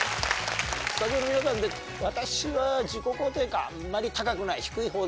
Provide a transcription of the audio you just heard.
スタジオの皆さんで私は自己肯定感あんまり高くない。